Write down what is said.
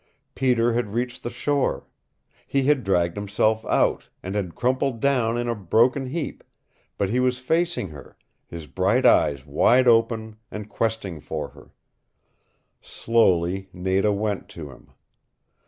Peter had reached the shore. He had dragged himself out, and had crumpled down in a broken heap but he was facing her, his bright eyes wide open and questing for her. Slowly Nada went to him.